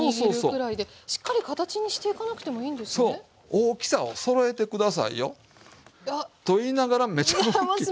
大きさをそろえて下さいよと言いながらめちゃおっきい。